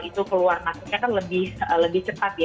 itu keluar masuknya kan lebih cepat ya